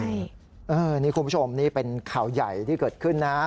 นี่คุณผู้ชมนี่เป็นข่าวใหญ่ที่เกิดขึ้นนะ